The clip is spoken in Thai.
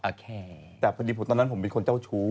โอเคแต่พอดีตอนนั้นผมเป็นคนเจ้าชู้